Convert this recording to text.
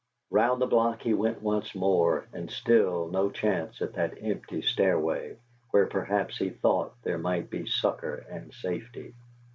Round the block he went once more, and still no chance at that empty stairway where, perhaps, he thought, there might be succor and safety.